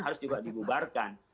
harus juga dibubarkan